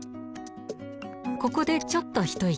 ここでちょっと一息。